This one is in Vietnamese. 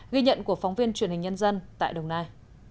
ghi nhận của phóng viên truyền hình nhân dân tại đồng nai